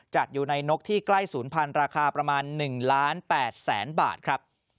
จัดอยู่ในนกที่ใกล้ศูนย์พันธุ์ราคาประมาณ๑ล้าน๘แสนบาทครับ